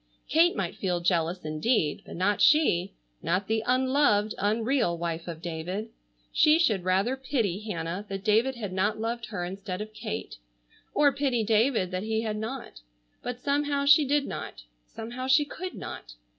Kate might feel jealous, indeed, but not she, not the unloved, unreal, wife of David. She should rather pity Hannah that David had not loved her instead of Kate, or pity David that he had not. But somehow she did not, somehow she could not.